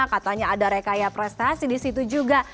katanya ada rekaya prestasi disitu juga